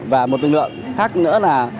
và một lực lượng khác nữa là